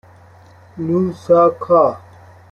لوساکا